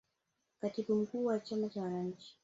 katibu mkuu wa chama cha wananchi